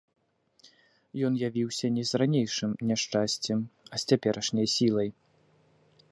Ён явіўся не з ранейшым няшчасцем, а з цяперашняй сілай.